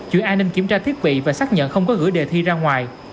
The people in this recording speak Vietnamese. chủ an ninh kiểm tra thiết bị và xác nhận không có gửi đề thi ra ngoài